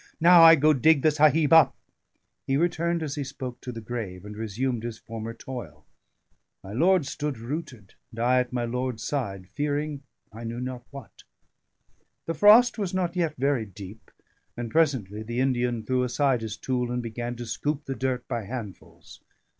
"Now I go dig the Sahib up." He returned as he spoke to the grave, and resumed his former toil. My lord stood rooted, and I at my lord's side, fearing I knew not what. The frost was not yet very deep, and presently the Indian threw aside his tool, and began to scoop the dirt by handfuls.